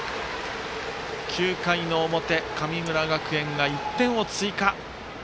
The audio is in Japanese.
９回の表神村学園が１点を追加。